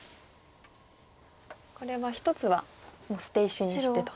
これは１つはもう捨て石にしてと。